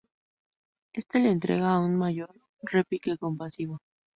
Este le entrega aun mayor repique compasivo.